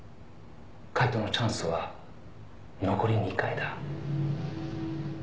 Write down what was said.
「解答のチャンスは残り２回だ」